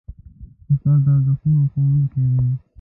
استاد د ارزښتونو ښوونکی دی.